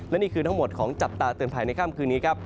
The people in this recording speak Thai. และนี่คือทั้งหมดของจับตาเตือนภัยในค่ำคืนนี้ครับ